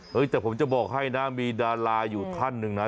แต่ผมจะบอกให้นะมีดาราอยู่ท่านหนึ่งนะ